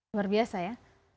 luar biasa ya